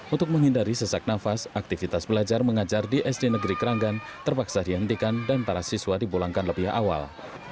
untuk menghindari sesak nafas aktivitas belajar mengajar di sd negeri keranggan terpaksa dihentikan dan para siswa dipulangkan lebih awal